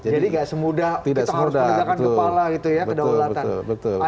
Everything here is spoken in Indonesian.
jadi tidak semudah kita harus menegakkan kepala gitu ya kedaulatan